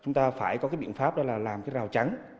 chúng ta phải có cái biện pháp đó là làm cái rào chắn